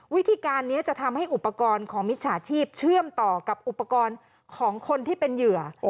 วิธีการนี้จะทำให้อุปกรณ์ของมิจฉาชีพเชื่อมต่อกับอุปกรณ์ของคนที่เป็นเหยื่อ